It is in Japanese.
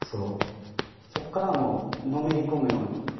そっからはもうのめり込むように。